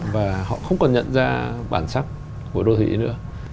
và họ không còn nhận ra bản sắc của đô thị nữa